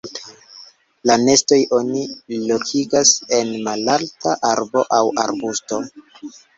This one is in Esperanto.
La nestojn oni lokigas en malalta arbo aŭ arbusto.